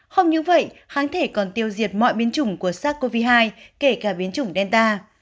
không như vậy kháng thể còn tiêu diệt mọi biến chủng của sars cov hai kể cả biến chủng delta